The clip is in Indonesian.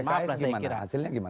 kalau mpks gimana hasilnya